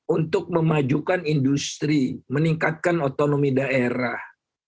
untuk memajukan industri meningkatkan otonomi daerah